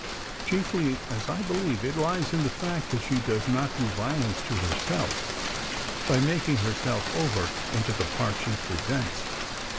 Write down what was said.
Chiefly, as I believe, it lies in the fact that she does not do violence to herself by making herself over into the part she presents.